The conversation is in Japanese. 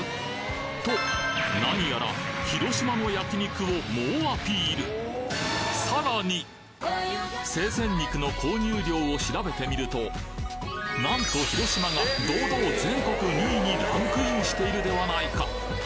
となにやら広島の焼き肉を猛アピール生鮮肉の購入量を調べてみるとなんと広島が堂々全国２位にランクインしているではないか